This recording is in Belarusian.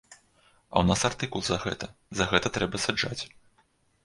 А ў нас артыкул за гэта, за гэта трэба саджаць.